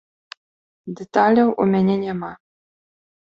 Дэталяў у мяне няма.